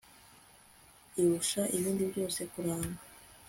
irusha ibindi byose kuranga